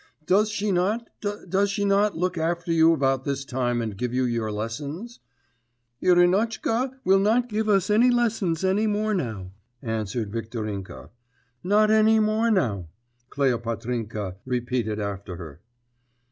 'Does she not, does she not look after you about this time, and give you your lessons?' 'Irinotchka will not give us any lessons any more now,' answered Viktorinka. 'Not any more now,' Kleopatrinka repeated after her.